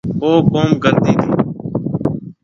او ڪوم ڪرتي تي